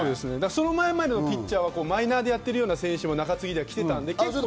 その前までのピッチャーはマイナーでやってる選手も中継ぎでは来ていたので。